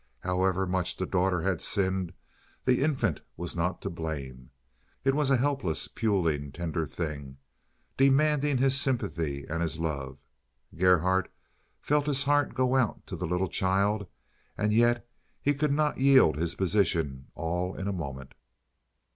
However much the daughter had sinned, the infant was not to blame. It was a helpless, puling, tender thing, demanding his sympathy and his love. Gerhardt felt his heart go out to the little child, and yet he could not yield his position all in a moment.